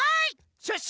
シュッシュ！